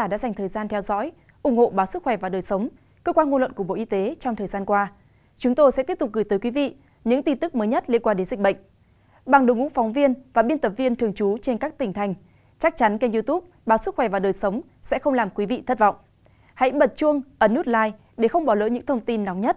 đừng quên nhấn nút like để không bỏ lỡ những thông tin nóng nhất